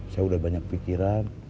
saya udah banyak pikiran